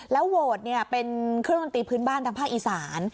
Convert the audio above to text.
โหวตเป็นเครื่องดนตรีพื้นบ้านทางภาคอีสาน